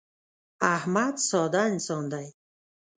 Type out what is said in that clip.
احمد ساده انسان دی.